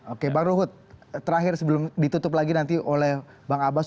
oke bang ruhut terakhir sebelum ditutup lagi nanti oleh bang abbas